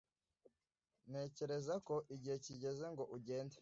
Ntekereza ko igihe kigeze ngo ugende.